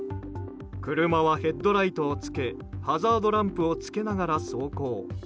車はヘッドライトをつけハザードランプをつけながら走行。